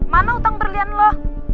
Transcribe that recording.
mana utang berlian lo